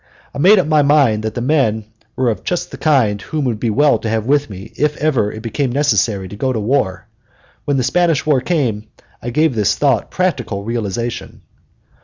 I made up my mind that the men were of just the kind whom it would be well to have with me if ever it became necessary to go to war. When the Spanish War came, I gave this thought practical realization.